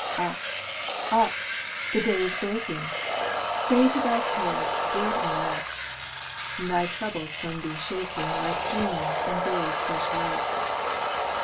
8. Up, up, the day is breaking. Say to thy cares, Good night 1 Thy troubles from thee shaking Like dreams in day's fresh light.